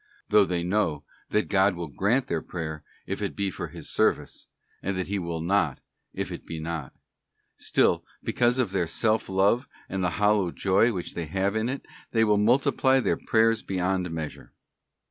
Though they know that God will grant their prayer if it be for His service, and that He will not, if it be not; still, because of their self love and the hollow joy which they have in it, they will multiply their prayers beyond measure.